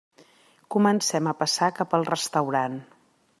Comencem a passar cap al restaurant.